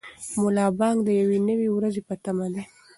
ملا بانګ د یوې نوې ورځې په تمه دی.